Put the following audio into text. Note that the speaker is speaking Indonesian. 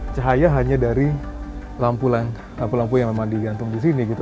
cahaya hanya dari lampu lampu yang memang digantung di sini gitu